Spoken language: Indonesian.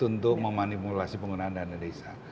untuk memanipulasi penggunaan dana desa